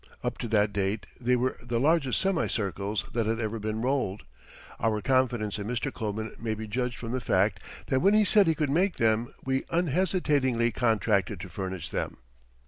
Up to that date they were the largest semicircles that had ever been rolled. Our confidence in Mr. Kloman may be judged from the fact that when he said he could make them we unhesitatingly contracted to furnish them.